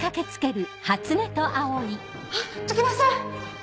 あっ常葉さん！